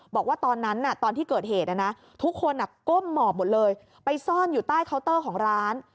บอกว่าตอนนั้นตอนที่เกิดเหตุทุกคนก้มหมอบหมดเลยไปซ่อนอยู่ใต้เคาน์เตอร์ของร้าน